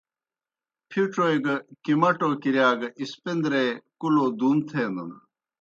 پِھڇوئے گہ کِمٹو کِرِیا گہ اِسپِندرے کُلو دُوم تھینَن۔